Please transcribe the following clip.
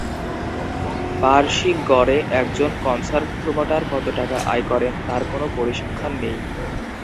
বার্ষিক গড়ে একজন কনসার্ট প্রোমোটার কত টাকা আয় করেন তার কোন পরিসংখ্যান নেই।